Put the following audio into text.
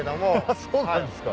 そうなんですか。